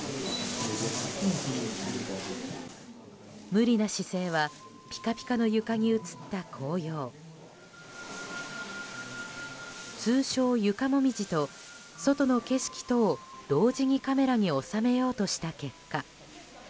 無理な姿勢はピカピカの床に映った紅葉通称床モミジと外の景色とを同時にカメラに収めようとした結果。